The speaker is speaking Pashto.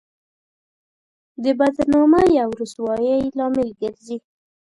د بدنامۍ او رسوایۍ لامل ګرځي.